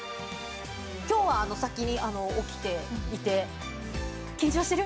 きょうは先に起きていて、緊張してる？